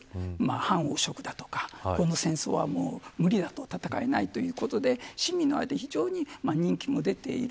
反汚職だとか、この戦争は無理だと、戦えないということで市民の間で非常に人気も出ている。